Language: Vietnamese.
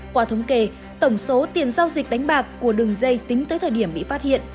qua thống kê tổng số tiền giao dịch đánh bạc của đường dây tính tới thời điểm bị phát hiện